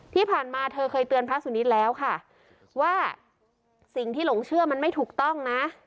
ที่ผ่านมาเธอเคยเตือนพระสุนิทแล้วค่ะว่าสิ่งที่หลงเชื่อมันไม่ถูกต้องนะ